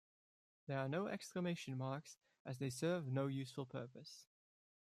There are no exclamation marks, as they serve no useful purpose.